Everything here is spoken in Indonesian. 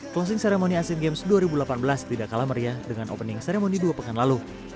closing ceremony asian games dua ribu delapan belas tidak kalah meriah dengan opening ceremony dua pekan lalu